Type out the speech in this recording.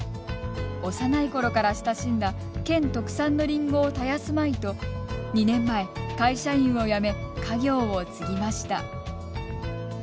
幼いころから親しんだ県特産のりんごを絶やすまいと２年前、会社員を辞め家業を継ぎました。